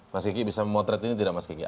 mas kiki bisa memotret ini tidak mas kiki